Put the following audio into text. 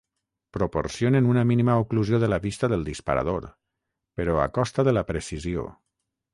Proporcionen una mínima oclusió de la vista del disparador, però a costa de la precisió.